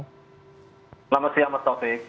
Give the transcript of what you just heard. selamat siang mas taufik